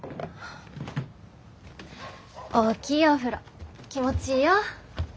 大きいお風呂気持ちいいよ。